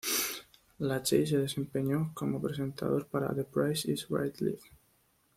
Lachey se desempeñó como presentador para "The Price Is Right Live!